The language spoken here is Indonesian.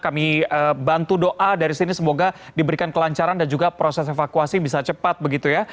kami bantu doa dari sini semoga diberikan kelancaran dan juga proses evakuasi bisa cepat begitu ya